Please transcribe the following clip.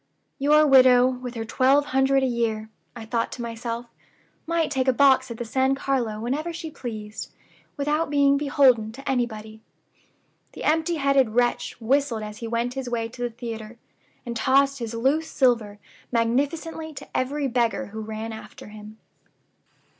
'Your widow, with her twelve hundred a year,' I thought to myself, 'might take a box at the San Carlo whenever she pleased, without being beholden to anybody.' The empty headed wretch whistled as he went his way to the theater, and tossed his loose silver magnificently to every beggar who ran after him."